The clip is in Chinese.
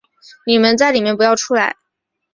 你们在里面不要出来